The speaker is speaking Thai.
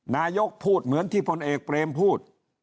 นายกพูดเหมือนที่พลเอกเปรมพูด